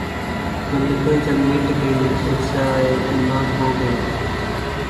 ملتیں جب مٹ گئیں‘ اجزائے ایماں ہو گئیں